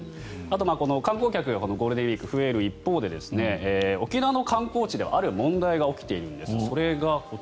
観光客がゴールデンウィークに増える一方で沖縄の観光地ではある問題が起きているんです。